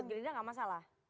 jadi tidak masalah